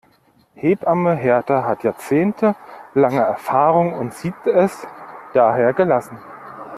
Hebamme Hertha hat jahrzehntelange Erfahrung und sieht es daher gelassen.